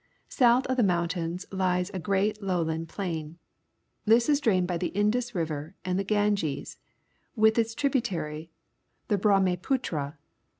South of the mountains lies a great lowland plain. This is drained bj' the Indus River and the GariQeSj with its tributary, the Brahmaputra.